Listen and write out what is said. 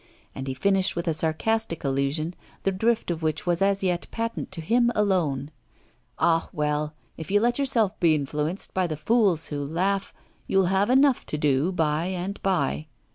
And he finished with a sarcastic allusion, the drift of which was as yet patent to him alone. 'Ah, well! if you let yourself be influenced by the fools who laugh, you'll have enough to do by and by.